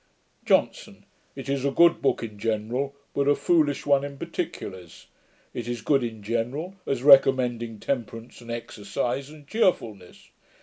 JOHNSON. 'It is a good book in general, but a foolish one in particulars. It is good in general, as recommending temperance and exercise, and cheerfulness.